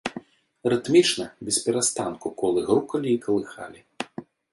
Рытмічна, бесперастанку колы грукалі і калыхалі.